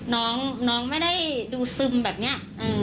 น้องไม่ได้ดูซึมแบบนี้